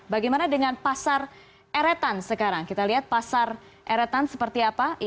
bagaimana dengan pasar eretan sekarang kita lihat pasar eretan seperti apa